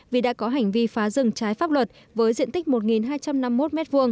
vì đã có hành vi phá rừng trái pháp luật với diện tích một hai trăm năm mươi một m hai